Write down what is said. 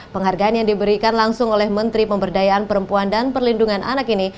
penghargaan yang diberikan langsung oleh menteri pemberdayaan perempuan dan perlindungan anak ini